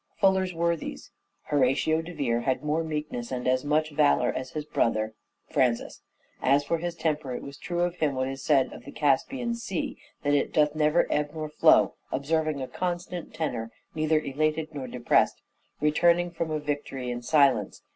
Fuller's Worthies. Horatio de Vere had " more meekness and as much DRAMATIC SELF REVELATION 479 valour as his brother (Francis). As for his temper it was true of him what is said of the Caspian Sea, that it doth never ebb nor flow, observing a constant tenor neither elated nor depressed, ..« returning from a victory (in) silence